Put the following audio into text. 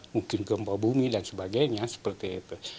mungkin gempa bumi dan sebagainya seperti itu